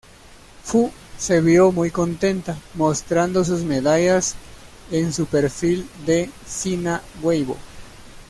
Fu se vio muy contenta mostrando sus medallas en su perfil de Sina Weibo.